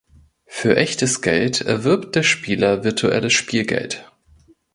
Für echtes Geld erwirbt der Spieler virtuelles Spielgeld.